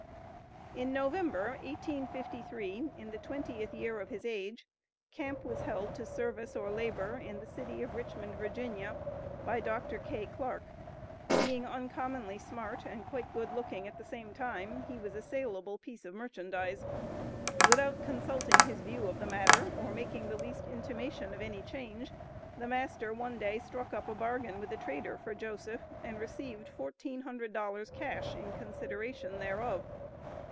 In November, 1853, in the twentieth year of his age, Camp was held to "service or labor" in the City of Richmond, Va., by Dr. K. Clark. Being uncommonly smart and quite good looking at the same time, he was a saleable piece of merchandise. Without consulting his view of the matter or making the least intimation of any change, the master one day struck up a bargain with a trader for Joseph, and received Fourteen Hundred Dollars cash in consideration thereof.